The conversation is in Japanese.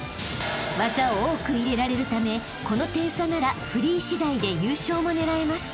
［技を多く入れられるためこの点差ならフリー次第で優勝も狙えます］